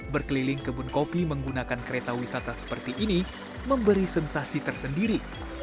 berkeliling kebun kopi menggunakan kereta wisata seperti ini memberi sensasi tersendiri